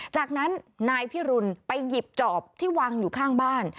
จากนั้นนายพิรุณไปหยิบจอบที่วางอยู่ข้างบ้าน